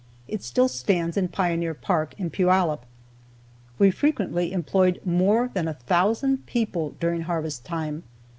It still stands in Pioneer Park in Puyallup. We frequently employed more than a thousand people during harvest time.